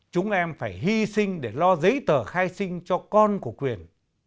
chúng em phải hy sinh để lo giấy tờ khai sinh cho con của quyền